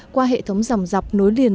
qua hệ thống dòng dọc nối liền